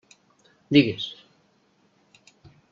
Digues.